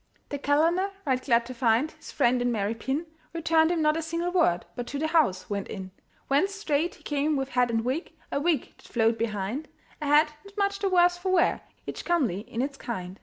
The calender, right glad to find His friend in merry pin, Returned him not a single word, But to the house went in; Whence straight he came with hat and wig, A wig that flowed behind, A hat not much the worse for wear, Each comely in its kind.